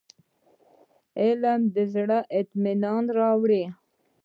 علم د زړه اطمينان راوړي.